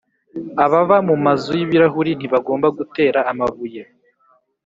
ababa mu mazu y'ibirahure ntibagomba gutera amabuye.